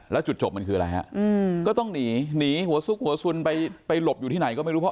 แล้วจุดจบมันคืออะไรฮะก็ต้องหนีหนีหัวซุกหัวสุนไปหลบอยู่ที่ไหนก็ไม่รู้เพราะ